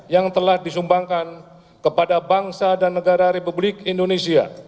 yang telah disumbangkan kepada bangsa dan negara republik indonesia